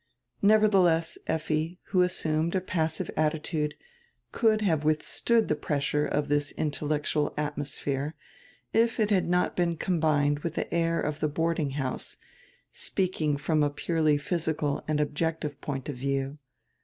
Neverdieless Effi, who assumed a passive attitude, could have widistood die pressure of tiiis intellectual atmosphere if it had not been combined widi the air of die boarding house, speaking from a purely physical and objective point of view.